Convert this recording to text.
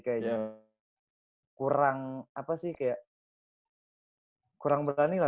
kayaknya kurang apa sih kayak kurang berani lah